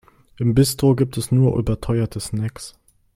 Im Bistro gibt es nur überteuerte Snacks.